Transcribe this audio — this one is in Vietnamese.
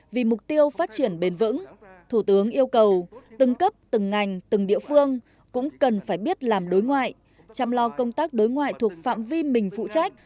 vì mục tiêu phát triển bền vững thủ tướng yêu cầu từng cấp từng ngành từng địa phương cũng cần phải biết làm đối ngoại chăm lo công tác đối ngoại thuộc phạm vi mình phụ trách